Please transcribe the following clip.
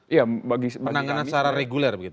iya bagi kami penanganan secara reguler begitu